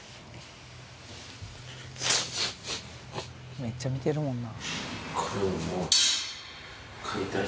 めっちゃ見てるもんな。